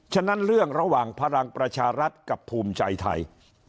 ฉะนั้นเรื่องระหว่างพลังประชารัฐกับภูมิใจไทย